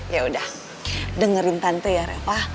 yaudah dengerin tante ya reva